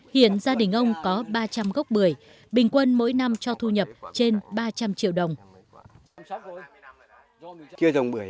hiện gia đình ông có ba trăm linh gốc bưởi bình quân mỗi năm cho thu nhập trên ba trăm linh triệu đồng